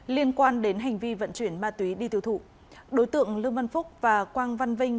liên quan đến hành vi vận chuyển ma túy đi tiêu thụ đối tượng lương văn phúc và quang văn vinh